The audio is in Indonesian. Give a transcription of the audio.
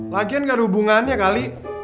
lagian gak ada hubungannya kali